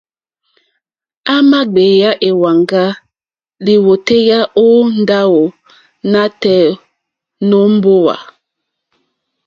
À mà gbèyá èwàŋgá lìwòtéyá ó ndáwò nǎtɛ̀ɛ̀ nǒ mbówà.